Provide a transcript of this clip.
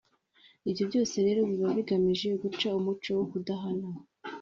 Ibyo byose rero biba bigamije guca umuco wo kudahana